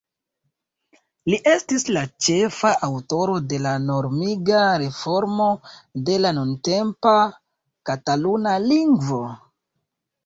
Li estis la ĉefa aŭtoro de la normiga reformo de la nuntempa Kataluna lingvo.